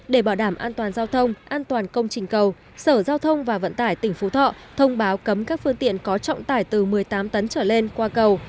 để bảo đảm an toàn giao thông an toàn công trình cầu sở giao thông và vận tải tỉnh phú thọ thông báo cấm các phương tiện có trọng tải từ một mươi tám tấn trở lên qua cầu